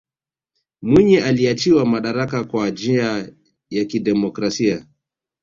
mwinyi aliachiwa madaraka kwa njia ya kidemokrasia